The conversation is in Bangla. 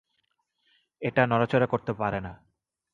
এটা নড়াচড়া করতে পারে না।